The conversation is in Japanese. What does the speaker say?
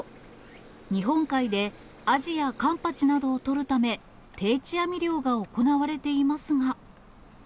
日本海で、アジやカンパチなどを取るため、定置網漁が行われていますが。